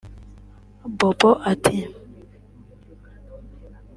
Bobo ati